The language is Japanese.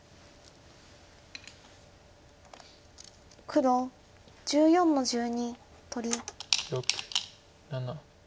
黒１４の十二取り。